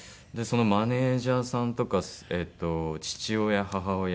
マネジャーさんとか父親母親親戚